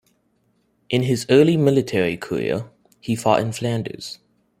In his early military career, he fought in Flanders.